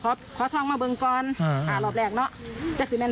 ขอขอท่องมาเบิ่งก่อนอืมหาหลอดแหลกเนอะจะสิเม้น